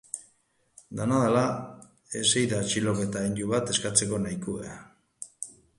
Dena den, ez omen da atxiloketa agindu bat eskatzeko nahikoa.